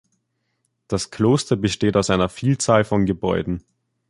Das Kloster besteht aus einer Vielzahl von Gebäuden.